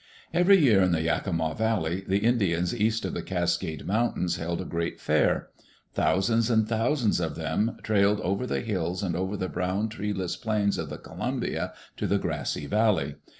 Every year in the Yakima Valley the Indians east of the Cascade Mountains held a great fair. Thousands and thousands of them trailed over the hills and over the brown treeless plains of the Columbia to the grassy valley.